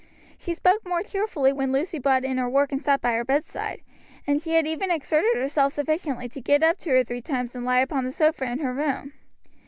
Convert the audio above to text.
She spoke more cheerfully when Lucy brought in her work and sat by her bedside, and she had even exerted herself sufficiently to get up two or three times and lie upon the sofa in her room.